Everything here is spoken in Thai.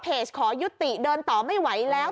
ขอยุติเดินต่อไม่ไหวแล้ว